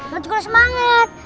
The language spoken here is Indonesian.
bantu kena semangat